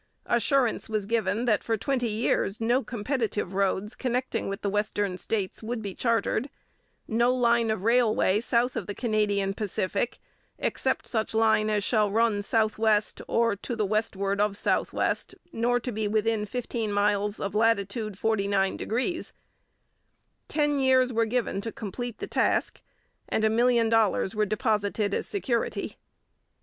Assurance was given that for twenty years no competitive roads connecting with the western states would be chartered: 'no line of railway south of the Canadian Pacific, except such line as shall run southwest or to the westward of southwest, nor to be within fifteen miles of latitude 49°.' Ten years were given to complete the task, and a million dollars were deposited as security.